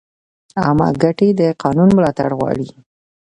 عامه ګټې د قانون ملاتړ غواړي.